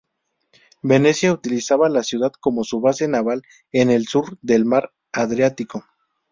Venecia utilizaba la ciudad como su base naval en el sur del Mar Adriático.